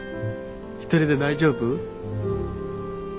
一人で大丈夫？